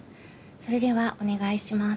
それではお願いします。